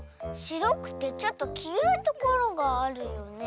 しろくてちょっときいろいところがあるよね。